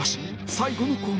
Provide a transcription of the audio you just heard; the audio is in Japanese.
最後の攻撃